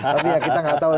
tapi ya kita nggak tahu